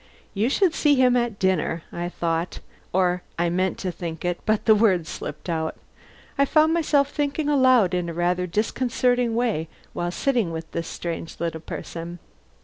"You should see him at dinner," I thought; or rather I meant to think it, but the words slipped out. I found myself thinking aloud in a rather disconcerting way while sitting with this strange little person.